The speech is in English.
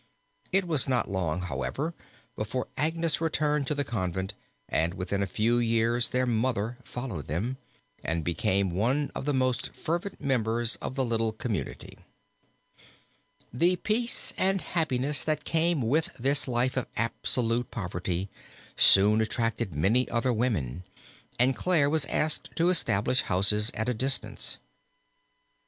It was not long, however, before Agnes returned to the convent and within a few years their mother followed them, and became one of the most fervent members of the little community. {opp320} ST. CLARE'S FAREWELL TO THE DEAD ST. FRANCIS (GIOTTO) The peace and happiness that came with this life of absolute poverty soon attracted many other women and Clare was asked to establish houses at a distance.